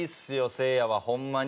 せいやはホンマに。